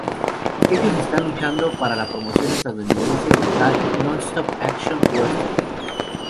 Ellos están luchando para la promoción estadounidense Total Nonstop Action Wrestling.